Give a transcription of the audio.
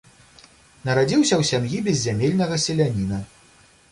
Нарадзіўся ў сям'і беззямельнага селяніна.